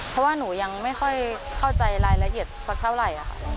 เพราะว่าหนูยังไม่ค่อยเข้าใจรายละเอียดสักเท่าไหร่ค่ะ